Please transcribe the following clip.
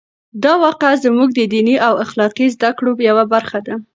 دا واقعه زموږ د دیني او اخلاقي زده کړو یوه برخه ده.